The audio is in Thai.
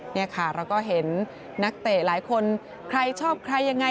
นี่ค่ะเราก็เห็นนักเตะหลายคนใครชอบใครยังไง